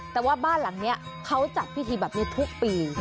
แต่ว่าบ้านหลังนี้เขาจัดพิธีแบบนี้ทุกปี